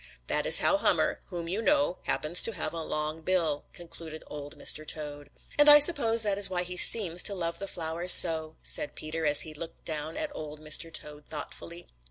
That is how Hummer, whom you know, happens to have a long bill," concluded Old Mr. Toad. "And I suppose that is why he seems to love the flowers so," said Peter as he looked down at Old Mr. Toad thoughtfully.